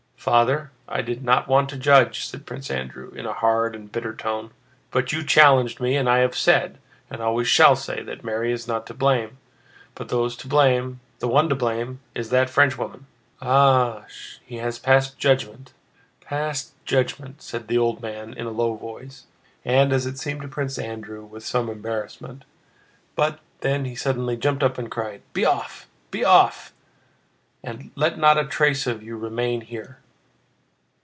"Father, I did not want to judge," said Prince Andrew, in a hard and bitter tone, "but you challenged me, and I have said, and always shall say, that Mary is not to blame, but those to blame—the one to blame—is that Frenchwoman." "Ah, he has passed judgment... passed judgement!" said the old man in a low voice and, as it seemed to Prince Andrew, with some embarrassment, but then he suddenly jumped up and cried: "Be off, be off! Let not a trace of you remain here!..."